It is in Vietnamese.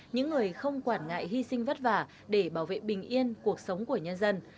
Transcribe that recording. những người không quản ngại hy sinh vất vả để bảo vệ bình yên cuộc sống của nhân dân